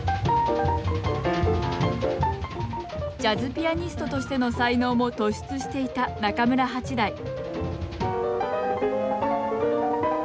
ジャズピアニストとしての才能も突出していた中村八大